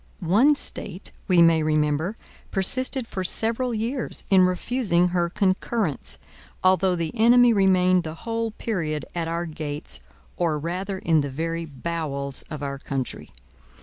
One State, we may remember, persisted for several years in refusing her concurrence, although the enemy remained the whole period at our gates, or rather in the very bowels of our country.